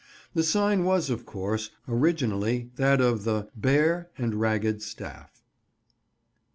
The sign was, of course, originally that of the "Bear and Ragged Staff."